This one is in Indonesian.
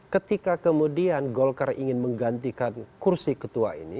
ketika kemudian golkar ingin menggantikan kursi ketua ini